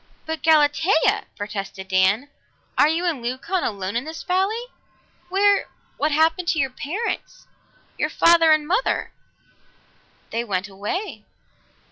"But Galatea!" protested Dan. "Are you and Leucon alone in this valley? Where what happened to your parents your father and mother?" "They went away.